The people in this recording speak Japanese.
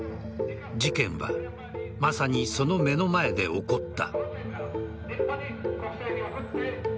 事件はまさにその目の前で起こった。